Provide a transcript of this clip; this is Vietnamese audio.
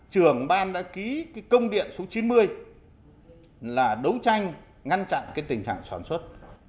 trường ban đã ký công điện số chín mươi là đấu tranh ngăn chặn tình trạng sản xuất